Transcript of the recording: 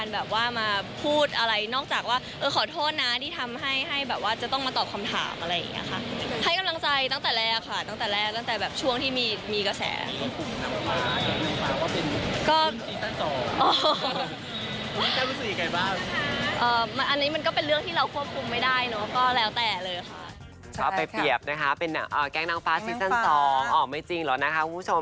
ในแรงนังฟ้าซีซั่น๒อ๋อไม่จริงเหรอนะคะ